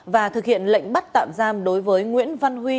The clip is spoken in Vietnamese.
và thực hiện lệnh bắt tạm giam đối với nguyễn văn huy